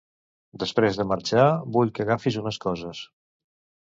Després de marxar, vull que agafis unes coses.